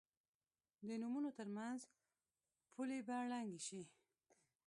د نومونو تر منځ پولې به ړنګې شي.